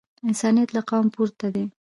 انسانیت له قوم پورته دی.